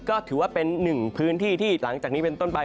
ก็ถือว่าเป็นหนึ่งพื้นที่ที่หลังจากนี้เป็นต้นไป